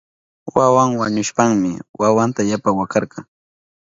Wawan wañushpanmi mamanta yapa wakarka.